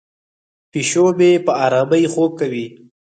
پیشو مې په آرامۍ خوب کوي.